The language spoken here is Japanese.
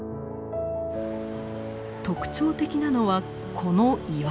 特徴的なのはこの岩。